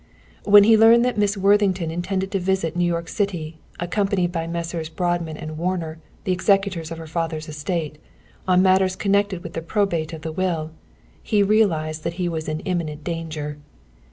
When he learned that Miss Worthington intended to visit New York City, accompanied by Messrs. Boardman and Warner, the executors of her father's estate, on matters connected with the probate of the will, he realized that he was in imminent danger.